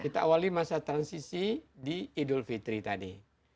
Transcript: kita awali masa transisi di idul fitri tadi